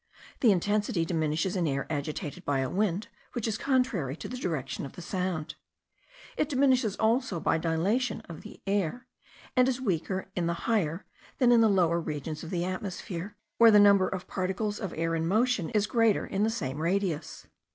The intensity diminishes in air agitated by a wind which is contrary to the direction of the sound; it diminishes also by dilatation of the air, and is weaker in the higher than in the lower regions of the atmosphere, where the number of particles of air in motion is greater in the same radius.